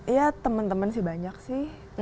iya teman teman sih banyak sih